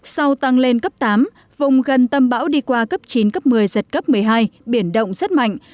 sau tăng lên cấp tám vùng gần tâm bão đi qua cấp chín cấp một mươi giật cấp một mươi hai biển động rất mạnh